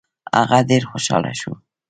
هغه ډېر خوشاله شو.